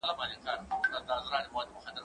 زه هره ورځ کتابتون ته راځم!!